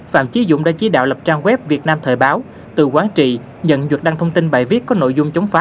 phạm trí dũng đã chỉ đạo lập trang web việt nam thời báo từ quán trị nhận đăng thông tin bài viết có nội dung chống phá